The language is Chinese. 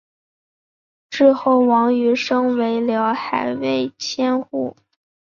之后王瑜升为辽海卫千户。